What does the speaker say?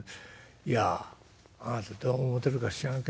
「あなたどう思うてるか知らんけどね